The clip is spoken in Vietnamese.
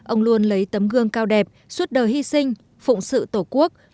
ông luôn lấy tấm gương cao đẹp suốt đời hy sinh phụng sự tổ quốc